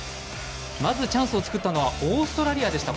まずチャンスを作ったのはオーストラリアでした。